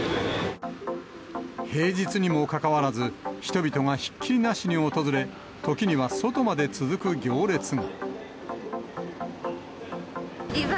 平日にもかかわらず、人々がひっきりなしに訪れ、時には外まで続く行列が。